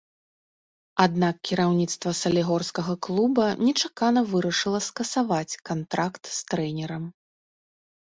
Аднак кіраўніцтва салігорскага клуба нечакана вырашыла скасаваць кантракт з трэнерам.